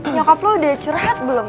nyokap lo udah curhat belum